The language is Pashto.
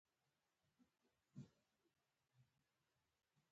په داسې احساس څوک څنګه کیسې پیدا کړي.